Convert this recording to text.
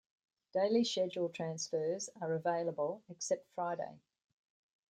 Daily schedule transfers are available except Friday.